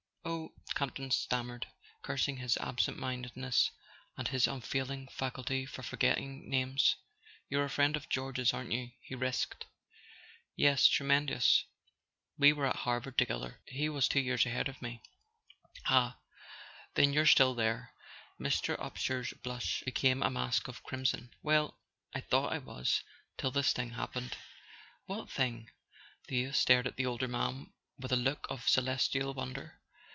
"Oh " Campton stammered, cursing his absent mindedness and his unfailing faculty for forgetting names. "You're a friend of George's, aren't you?" he risked. "Yes—tremendous. We were at Harvard together— he was two years ahead of me." "Ah—then you're still there?" Mr. Upsher's blush became a mask of crimson. "Well —I thought I was, till this thing happened." "What thing?" The youth stared at the older man with a look of celestial wonder.